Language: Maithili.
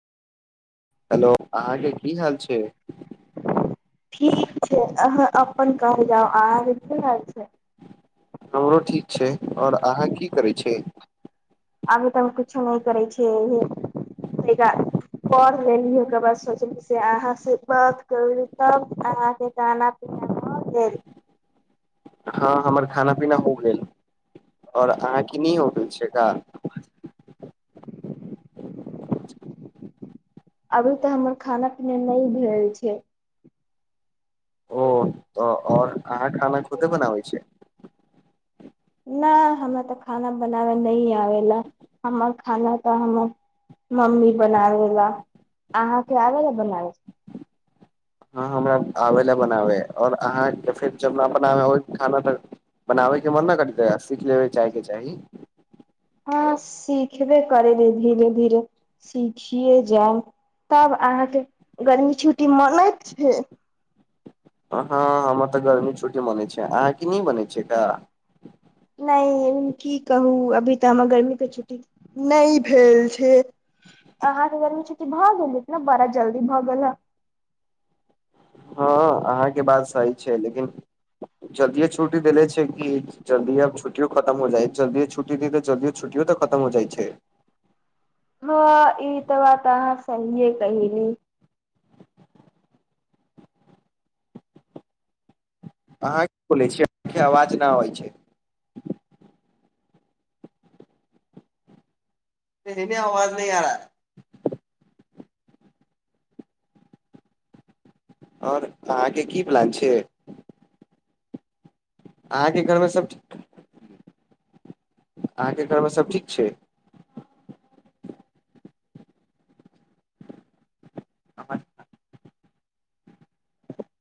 हेलो, अहाँके की हाल छै? ठीक छै, अहाँ अपन कहल जाउ, अहांके की हाल छै? हमरो ठीक छै और अहाँके की करै छै? अभी त हम कुछो नहि करै छियै, पढ़ लेली ओकर बाद सोचली से अहाँसं बात करी तब अहाँके खाना पीना भऽ गेल हां हमर खाना पीना हो गेल और अहाँके नै हो गेल छै का? [unintelligible] अभी त हमर खाना पीना नै भेल छै। ओ, त और अहाँ खाना खुदे बनाबै छियै? नहि हमरा तऽ खाना बनाबय नहि आबे ला हमर खाना तऽ हमर मम्मी बनाबे ला अहाँके आबला बनाबै? हँ हमरा आबै लए बनाबै आओर अहाँके फेर जब न बनाबै खाना तऽ बनाबै के मन नै करिते? ख ले चायके चाही। हँ सिखबै। करै छियै धीरे धीरे सीखिये जायब तब अहाँके गर्मी छुट्टी मनैत छियै? हां हमर त गर्मी छुट्टी मनवै छियै, अहाँके नहि बनै छियै का? नै की कहु अभी त हमर गर्मीके छुट्टी नै भेल छै, अहांके गर्मीके छुट्टी भ गेलै ने। बड़ा जल्दी भ गेल हे। हँ अहाँके बात सही छै लेकिन जल्दिए छुट्टी देले छै कि जल्दी आब छुट्टियो खतम हो जाइ जल्दिए छुट्टी द त जल्दियो छुट्टियो तऽ खतम हो जाइ छै हँ ई त वात तह सहिए कहेली। अहाँ की- बोलै छियै अ-के आवाज ना आबइ छै? टी-में आवाज नहि आ रआ। और अहाँके की प्लान छै? अहाँके घरमे सभ ठी- अहाँके घरमे सभ ठीक छै? [unintelligible]